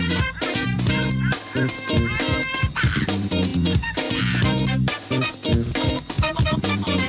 เผ้าใส่ไข่ซบกว่าไข่ไหม้กว่าเดิม